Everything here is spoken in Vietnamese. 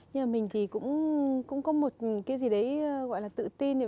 nhưng mà mình thì cũng có một cái gì đấy gọi là tự tin